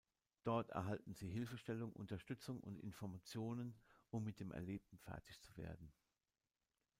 Dort erhalten sie Hilfestellung, Unterstützung und Informationen, um mit dem Erlebten fertig zu werden.